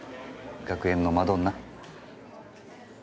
学園のマドンナ？